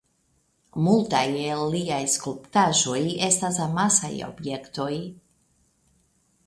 Multaj el liaj skulptaĵoj estas amasaj objektoj.